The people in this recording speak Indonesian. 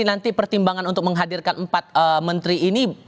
nanti pertimbangan untuk menghadirkan empat menteri ini